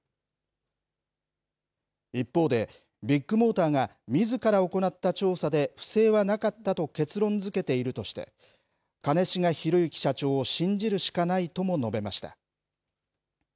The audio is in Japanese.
一方で、ビッグモーターがみずから行った調査で不正はなかったと結論づけているとして、兼重宏行社長を信じるしかないとも述べました。